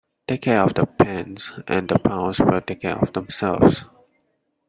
Take care of the pence and the pounds will take care of themselves.